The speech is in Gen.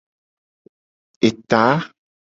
Eta.